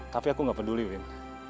tapi aku nggak peduli win